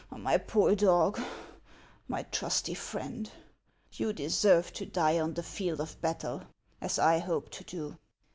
My poor dog! my trusty friend ! You deserved to die on the field of battle, as I hope to do."